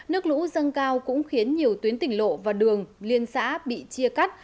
nước lũ dâng cao cũng khiến nhiều tuyến tỉnh lộ và đường liên xã bị chia cắt